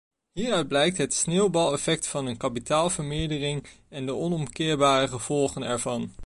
Hieruit blijkt het sneeuwbaleffect van een kapitaalvermeerdering en de onomkeerbare gevolgen ervan.